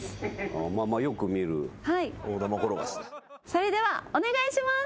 それではお願いします。